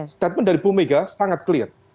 statement dari bumega sangat jelas